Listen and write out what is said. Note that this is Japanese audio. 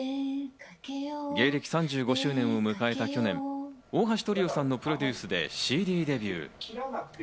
芸歴３５周年を迎えた去年、大橋トリオさんのプロデュースでＣＤデビュー。